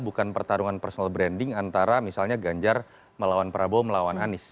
bukan pertarungan personal branding antara misalnya ganjar melawan prabowo melawan anies